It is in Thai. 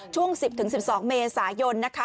ช่วง๑๐๑๒เมษายนนะคะ